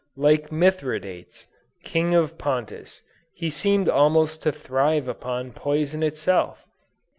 Like Mithridates, king of Pontus, he seemed almost to thrive upon poison itself!